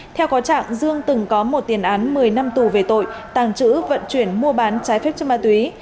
theo có trạng dương từng có một tiền án một mươi năm tù về tội tàng trữ vận chuyển mua bán trái phép chất ma túy